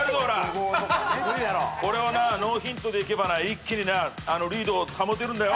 これをノーヒントでいけば一気にリードを保てるんだよ。